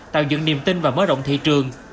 tạo dựng niềm tin và mở rộng thị trường